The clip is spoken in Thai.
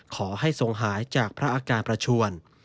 ขอให้ทรงหายจากพระอาการประชวน